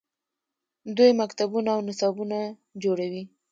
دوی مکتبونه او نصاب جوړوي.